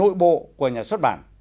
và kiểm duyệt nội bộ của nhà xuất bản